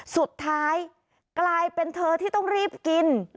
สุดท้ายกลายเป็นเธอที่ต้องรีบกิน